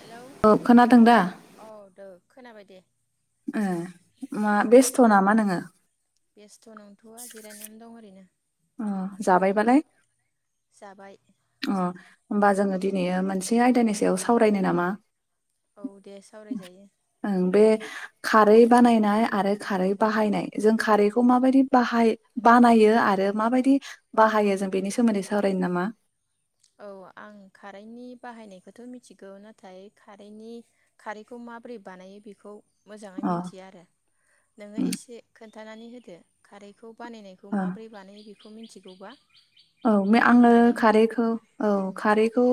Hello औ खोनादों दा औ दो खोनाबाय दे ए मा बेस्थ नामा नोङो? बेेस्ट नंथवआ जिरायनानै दं ओरैनो। अ जाबायबालाय? जाबाय। अ होमबा जोङो दिनै मोनसे आयदानि सायाव सावरायनो नामा? औ दे सावरायजायो। ओं बे खारै बानायनाय आरो खारै बाहायनाय जों खारैखौ माबायदि बाहाय बानायो आरो माबायदि बाहायो जों बेनि सोमोन्दै सावरायनो नामा? औ आं खारैनि बाहायनायखौथ मिथिगौ नाथाय खारैनि खारैखौ माबोरै बानायो बेखौ मोजाङै अ मिथिया आरो नोङो उम एसे खोन खोन्थानानै होदो खारैखौ। बानायनायखौ अ माबोरै बानायो बे बेखौ मिन्थिगौबा? औ आङो बुंनानै हो खारैखौ औ खारैखौ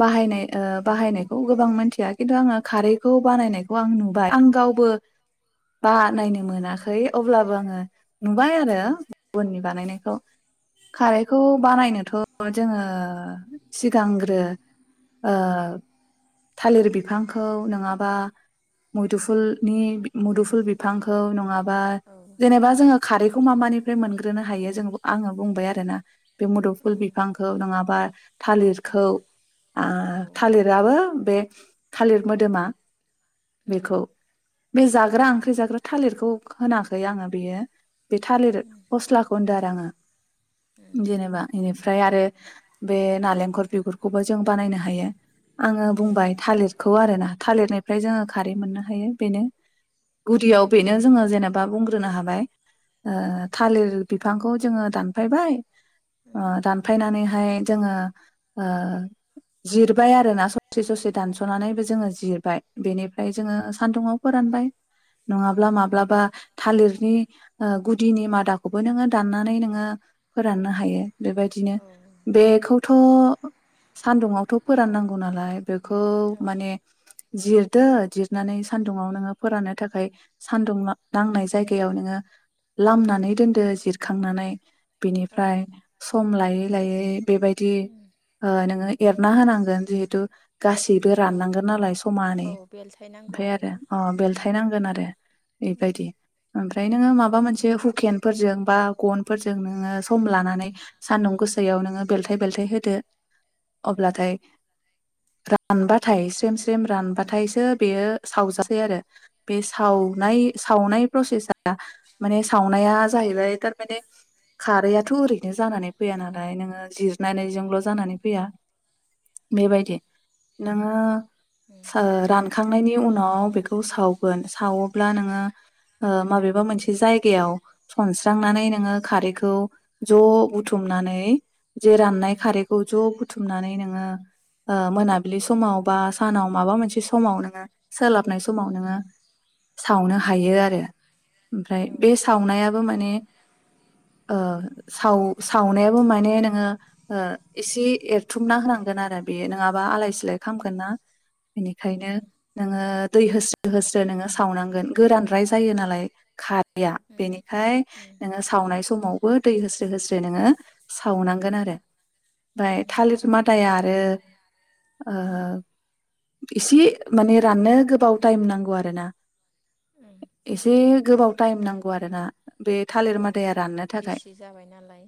बाहायनाय ओ बाहायनायखौ गोबां मिथिया खिन्थु आङो खारैखौ बानायनायखौ आं नुबाय आं गावबो बानायनो मोनाखै अब्लाबो आङो नुबाय आरो गुबुननि बानायनायखौ। खारैखौ बानायनोथ‌ जोङो सिगांग्रो ओ थालिर बिफांखौ नङाबा औ मुदुफुलनि मुदुफुल बिफांखौ नङाब्ला- बा औ उम जेनेबा जोङो खारैखौ मा मानिफ्राय मोनग्रोनो हायो जों आङो बुंबाय आरो। दाना बे मुदुफुल उम बिफांखौ नङाबा थालिरखौ आ औ थालिराबो बे थालिर मोदोमा उम बेखौ बे जाग्रा ओंख्रि जाग्रा थालिरखौ होनाखै आङो बेयो बे थालिर उम फस्लाखौ होनदों आरो आङो। जेनेबा बेनिफ्राय आरो बे नालेंखर बिगुरखौबो जों बानायनो हायो। आङो उम औ बुंबाय थालिर खौ आरो ना थालिरनि निफ्राय जोङो औ खारै मोननो हायो बेनो। गुदियाव उम बेनो जोङो जेनेबा बुंग्रोनो हाबाय उम थालिर बिफांखौ जोङो दानफायबाय ओ उम दानफायनानैहाय जोङो ओ जिरबाय आरोना ससे ससे दानसनानै जोङो जिरबाय बेनिफ्राय उम जोङो सान्दुङाव फोरानबाय। औ नङाब्ला माब्लाबा थालिरनि ओ गुदिनि मादाखौबो नोङो दाननानै नोङो फोराननो हायो बेबायदिनो बेखौ थ सान्दुंआवथ फोराननांगौ नालाय बेखौ माने जिरदो जिरनानै सान्दुुंआव नोङो फोरनो थाखाय सानदुं नांनाय जायगायाव नोङो लामनानै दोनदो जिरखांनानै [unintelligible] बिनिफ्राय सम लायो लायै बेबायदि ओ नोङो एरना होनांगोन जिहेतु गासैबो राननांगोन नालाय समानै बेलथाय नांगौ ओमफ्राय आरोना आरो अ बेलथायनांगोन आ औ बेबायदि ओमफ्राय नोङो उम माबा मोनसे हुकेनफोरजों बा गनफोर जों नोङो सम लानानै सानदुं गोसायाव नो बेलथाइ बेलथाइ हो दो। उम अब्लाथाय रानबाथाय स्रेम स्रेम रानबाथायसो बेयो सावजासै आरो। बे सावनाय सावनाय प्रसेसा माने सावनाया जाहैबाय थारमाने खारैआथ ओरैनो जानानै फैया नालाय नोङो जि नायनायजोंल जानानै फैया बेबायदि नोङो [unintelligible] सखांनायनि उनाव बेखौ सावगोन सावोब्ला नोङो उम माबेबा मोनसे जायगा गायाव सनस्रांनानै नोङो खौ ज बुथुमनानै जे राननाय खारैखौ जे बुथुमनानै नों मा ओ मोनाबिलि समाव बा सानाव माबा मोनसे समाव नोङो सोलाब हाबनाय समाव नोङो सावनो हायो आरो ओमफ्राय बे सावनाया माने ओ साव-सावनायाबो माने नोङो ओ एसे एरथुमना होनांगोन आरो बेयो नङाबा आलाय सिलाय खालामगोन ना बेनिखायनो उम नोङो दै होस्रो होस्रो नोङो सावनांगोन गोरानद्राय जायो नालाय खार बेनिखाय नोङो सावनाय बो दै होस्रे होस्रे नोङो सावनांगोन आरो ओमफ्राय उम थालिरथ मादाया आरो ओ एसे माने राननो गोबाव टाइम नांगौ आरो ना एसे गोबाव टाइम नांगौ आरो ना बे औ थालिर मादाया राननो खाय गिसि जाबाय नालाय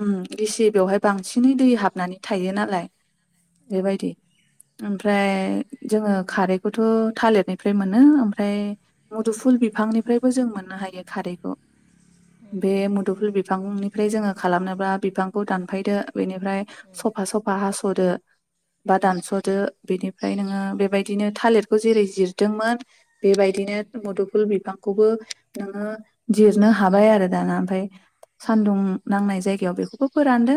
उम गिसि बेहाय उम बांसिनै दै हाबनानै थायो नालाय औ बेबायदि ओमफ्राय उम जोङो खारै बेखौथ थालिरनिफ्राय मोनो ओमफ्राय उम उम मुदुफुल बिफांनिफ्रायबो जों मोननो हायो। खारैखौ उम बे उम मुद फांनिफ्राय जोङो खालामनोब्ला बिफांखौ दानफायदो बेनिफ्राय सफा सफा हास' बोदो बा दानसदो बिनिफ्राय नोङो बेबायदिनो थालिर खौ जेरै जिरदोंमोन। बेबायदिनो मुदुफुल बिफां खौबो नोङो जिरनो हाबाय आरो दाना ओमफाय उम सान्दुं नांनाय जायग याव बेखौबो फोरानदो।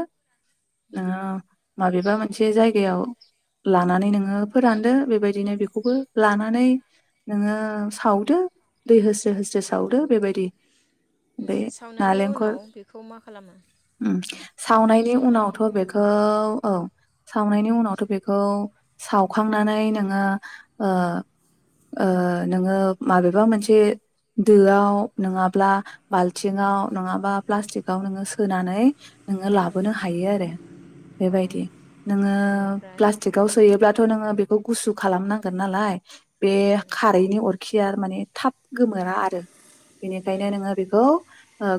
ओं माबेबा मोनसे जायगायाव लानानै नोङो फोरानदो बेबायदिनो बेखौबो लानानै नोङो सावदो। दै होस्रो होस्रो उम सावदो बेबायदि ओमफाय उम, सावनायनि नालेंखर फोर उनाव बेखौ मा खालामो उम सावनायनि उनावथ बेखौ औ सावनायनि उनावथ बेखौ सावखांनानै नोङो ओ ओ नोङो माबेबा मोनसे दोआव नङाब्ला बाल्थिङाव नङाब बा प्लासटिकाव नोङो सोनानै नोङो लाबोनो हायो आरो। औ बेबायदि नोङो बेनिफ्राय उम, प्लास्टिकआव सोयोब्लाथ नोङो बेखौ गुसु खालामनांगोन नालाय बे खारैनि अर खिया माने थाब गोमोरा आरो बेनिखायनो नोङो बेखौ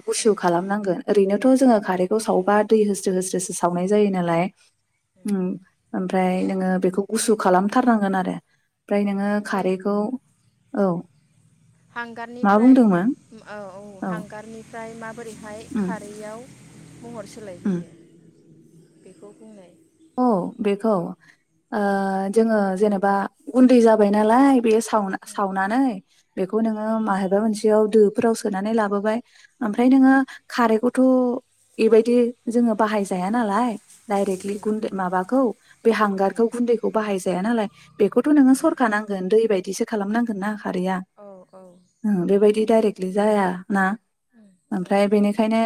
गुसु खालामनांगोन। ओरैनोथ जोङो खारैखौ सावबा दै होस्रो होस्रोसो सावनाय जायो नालाय उम ओमफ्राय नोङो बेखौ गुसु खालामथारनांगोन आरो ओमफ्राय नोङो ओमफ्राय खारैखौ औ मा हांगारनिफ्राय बुंदोंमोन उम औ औ हांगारनि फ्राय माबोरैहाय उम खारैआव महर उम सोलायहोयो? बेखौ बुंनाय औ बेखौ ओ औ उम, जोङो जेनेब बा उन्दै जाबाय नालाइ बेओ सा सावनो सावनानै बेखौ नोङो उम, माहेबा मोनसेयाव दो फोराव सोनानै लाबोबाय ओमफ्राय नोङो उम, खारैखौ थ' एबायदि जोङो बाहाय जाया नालाय दायरेकलि माबाखौ बे उम, हांगारखौ गुन्दैखौ बाहाय जाया नालाय बेखौथ' नोङो उम, सरखा नांगोन दै बायदिसो खालामनांगोन ना खारैया औ औ उम, औ उम, औ उम, औ उम, ओ बेबायदि डायरेकलि जाया ना उम, ओमफ्राय बेनिखायनो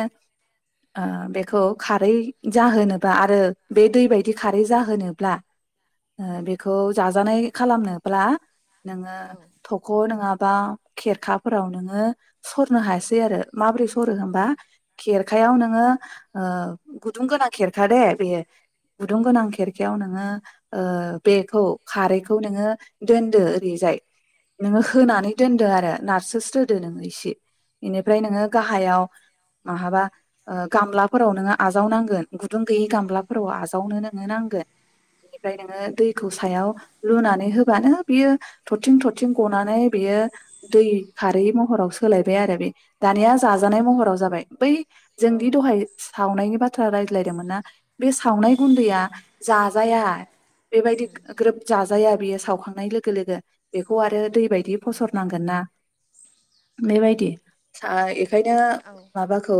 ओ बेखौ खारै जाहोनोबा आरो बे दै बायदि खारै जाहोनोब्ला ओ बेखौ जाजानाय खालामनोब्ला नोङो थख' नोङाबा खेरखाफोराव नोङो सरनो हायासै आरो माबोरै सरो होनबा खेरखायाव नोङो ओ गुदुं गोनां खेरखा दे बेयो गुदुं गोनां खेरखायाव नोङो ओ बेखौ खारैखौ नोङो दोनदो ओरैजाय नोङो होनानै दोन दो आरो नाथ सोस्रोदो नोङो इसे एनिफ्राय नोङो गाहायाव माहाबा उम, ओ गामलाफोराव नोङो आजावनांगोन गुदुं गैयै उम, गामला फोराव आजावनो नोङो नांगोन। एनिफ्राय उम, नोङो दैखौ सायाव लुनानै होबानो बियो थरथिं थरथिं गनानै बियो दै खारै महराव सोलायबाय आरो बे दानिया जाजानाय महराव जाबाय बै औ जोंनि दहाय सावनायनि बाथ थ्रा रायज्लाय दोंमोन ना बे औ सावनाय गुन्दैया जाजाया बेबायदि उम, ग्रोब जाजाया बेयो सावखांनाय लोगो लोगो बेखौ आरो दै बायदि उम, फसरनांगोन ना उम बेबायदि सायो ओंखायनो औ माबाखौ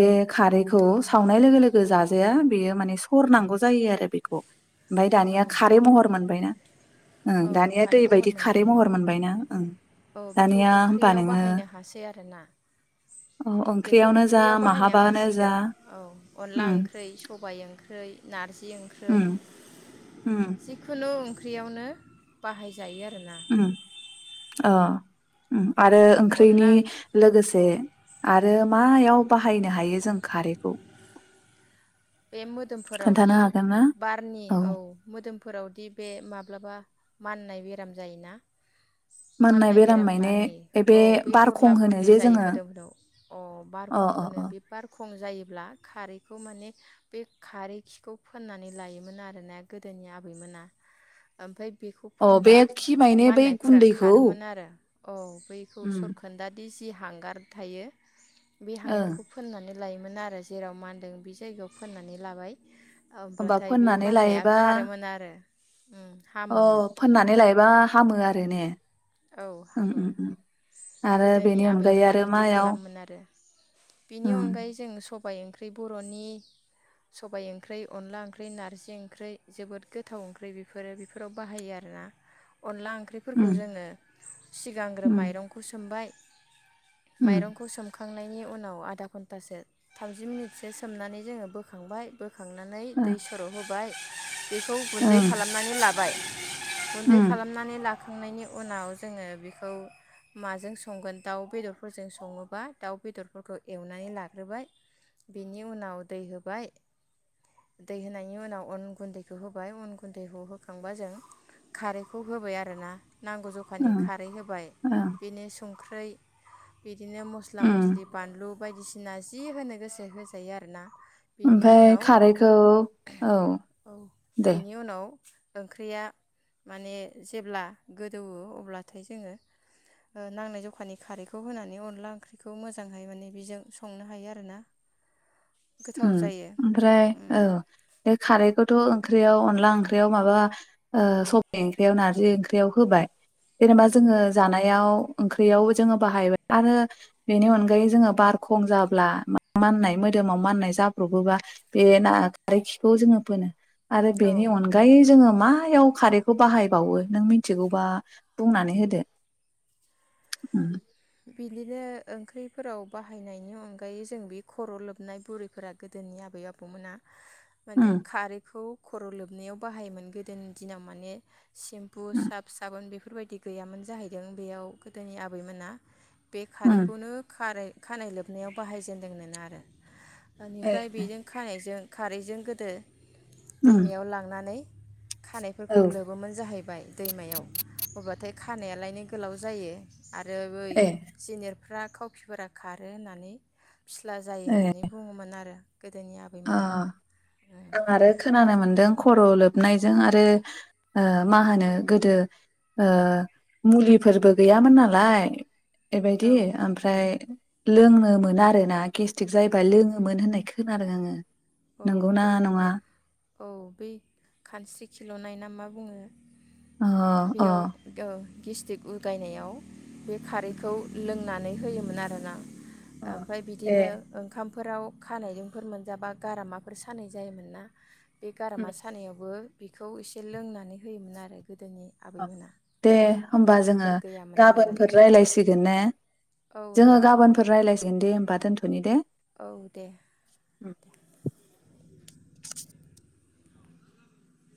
बे खारैखौ सावनाय लोगो लोगो जाजाया बेयो माने सरनांगौ जायो आरो बेखौ। ओमफाय औ दानिया खारै महर मोनबायना ओं औ दानिया दै खारै महर बायदि खारै मोनबाय महर मोनबायना ओं औ बेखौ दानिया होमबा ओंख्रियाव नोङो बाहायनो हासै आरोना औ बेखौ ओंख्रियावनो जा ओंख्रियाव बाहायनो माहाबानो जा हासिगोन औ अनला उम ओंख्रै सबाय ओंख्रै, नारजि ओंख्रै उम उम जिखुनु ओं ख्रियावनो बाहायज जायो आरो ना। उम अ उम। आरो ओंख्रैनि अनला लोगोसे ओं औ आरो मायाव बाहायनो हायो जों खारैखौ? बे खोन्थानो मोदोमफोरावदि हागोन ना बारनि औ मोदोमफोरावदि बे माब्लाबा माननाय बेराम जायोना। माननाय बेराम बारनि औ बे बारखं बरला होनो बरलि जे जायो जोङो मोदोमदाव अ अ बारखं अ होनो अ बे बारखं जायो। अब्ला खारैखौ माने बे खारै खिखौ फोननानै लायोमोन आरोना गोदोनि आबैमोना ओमफाय बेखौ अ बे फोनबा खि माने बै माननायफोरा गुन्दैखौ खारोमोन आरो। औ। बैखौ उम सरखोन्दा [unintelligible] जि हांगार थायो। बे ओं हांगारखौ फोननानै लायोमोन आरो जेराव मानदों बे जायगायाव फोननानै लाबाय। होमबा अब्लाथाय बे फोननानै माननाया लायोबा खारोमोन आरो। उम अ हामोमोन फोननानै लायोबा हामो आरो। रो ने? औ उम हामो उम उम आरो गोदोनि बेनि अनगायै आबैमोना आरो बिदि मायाव खालामोमोन आरो बिनि उम अनगायै जों सब सबाइ ओंख्रै बर'नि सबाइ ओंख्रै अनला ओंख्रै नारजि ओंख्रै जोबोद गोथाव ओंख्रै बेफोरो बेफोराव बाहायो आरोना। अनला ओंख्रिफोरखौ उम जोङो सिगांग्रो उम माइरंखौ सोमबाय उम माइरंखौ सोमखांनाय नि उनाव आदा घन्टासो थामजि मिनिटसो सोमनानै जोङो बोखांबाय बो खांनानै ओ दै सर' होबाय बेखौ गुन्दै ओं खालामनानै लाबाय। गुन्दै उम खालामनानै ला खांनायनि उनाव जोङो बेखौ माजों संगोन दाउ बेदरफोरजों सङोबा दाउ बेदरफोरखौ एवनानै लाग्रोबाय बेनि उनाव दै होबाय दै होनायनि उनाव अन गुन्दैखौ होबाय अन गुन्दैखौ होखांबा जों खारैखौ होबाय आरोना। नांगौ जखानि। ओं खारै होबाय ओं बेनि सं ख्रै बे बिदिनो मस्ला उम मस्लि बानलु बायदिसिना जि होनो गोसो होजायो आरो ना। ओमफाय खारैखौ औ दे बेनि उनाव ओंख्रिया माने जेब्ला गोदौवो अब्ला थाय जोङो ओ नांनाय जखानि खारैखौ होनानै अनला ओंख्रिखौ मोजांहै माने बेजों संनो हायो आरो ना ओ ओमफ्राय औ बे खारैखौ थ' ओंख्रियाव अनला ओंख्रियाव माबा ओ सबाय ओंख्रियाव नारजि ओंख्रियाव होबाय जेनोबा जोङो जानायाव ओंख्रियाव जोङो बाहायबाय आरो बेनि अनगायै जोङो बारखं जाब्ला माननाय मोदोमाव माननाय जाब्रबोबा बे ना उम खारै खौ जोङो फोनो आरो बेनि औ अनगायै जोङो मायाव खारैखौ बाहायबावो नों मिथिगौबा बुंनानै होदो। बिदिनो ओंख्रिफोराव बाहायनायनि अनगायै जों बे खर' लोबनाय बुरैफोरा गोदोनि आबै आबौमोना उम माने खारैखौ खर' लोबनायाव बाहायोमोन गोदोनि दिनाव माने सेम्पु उम साफ साबोन बेफोर बेफोरबायदि गैयामोन जाहैदों बेयाव गोदोनि आबैमोना बे उम खारैखौनो खारै खानाय लोबनायाव बाहायजेनदोंनोना आरो। ए बेनिफ्राय बेजों खानायजों खारैजों गोदो उम दैमायाव लांनानै औ खानायफोरखौ लोबोमोन जाहैबाय दैमायाव अब्लाथाय खानायालायनो गोलाव जायो आरो ए सिनियार फ्रा खावखिफोरा खारो होननानै फिस्ला जायो ए होननानै बुङोमोन आरो गोदोनि आबैमोना। अ आं आरो खोनानो बिदि मोन्दों ख र लोबनायजों आरो ओ मा होनो गोदो ओ मुलिफोरबो गैयामोन नालाय बेबायदि औ ओमफ्राय लोंनोमोन आरोना गेस्टिक जायोबा लोङोमोन होननाय खोनादों आङो। [inaudible] औ नंगौना बै नङा? औ बे खानस्रि खिल'नाय ना मा बुङो? अ अ। बेयाव ओ गेस्टिक उगायनायाव बे खारैखौ लोंनानै होयोमोन आरोना। अ ओमफाय दे बिदिनो ओंखाम फोराव खानायदोंफोर मोनजाबा गारामाफोर सानाय जायोमोन ना बे गारामा उम सानायावबो बेखौ एसे लोंनानै होयोमोन आरो। गोदोनि अ आबैमोना। दे होमबा जोंहा मुलिफोर गैयामोन नालाय गाबोनफोर रायलायसिगोन। ने? औ जोङो दे गाबोनफोर रायलाय सिगोन दे होमबा दोनथ'नि दे। औ दे। उम